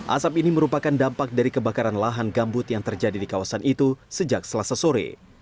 asap ini merupakan dampak dari kebakaran lahan gambut yang terjadi di kawasan itu sejak selasa sore